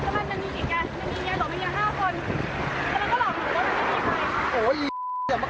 มันมีเมียหลวงมีเมียห้าคน